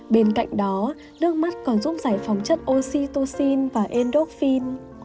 bên cạnh đó nước mắt còn giúp giải phóng chất oxytocin và endoffin